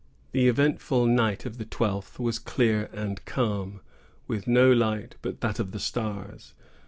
The eventful night of the twelfth was clear and calm, with no light but that of the stars.